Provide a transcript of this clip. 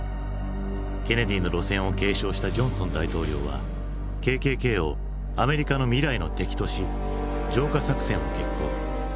ケネディの路線を継承したジョンソン大統領はＫＫＫを「アメリカの未来の敵」とし浄化作戦を決行。